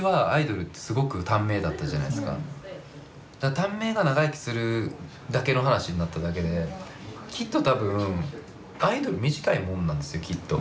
短命が長生きするだけの話になっただけできっと多分アイドル短いもんなんですよきっと。